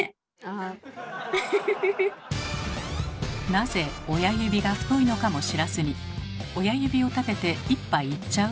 なぜ親指が太いのかも知らずに親指を立てて「一杯いっちゃう？」